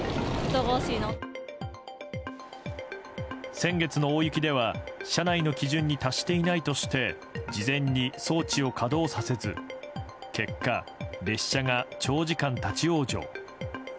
先月の大雪では社内の基準に達していないとして事前に装置を稼働させず結果、列車が長時間立ち往生。